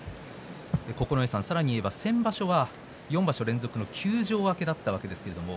九重さん、さらに言えば先場所は４場所連続の休場明けでした。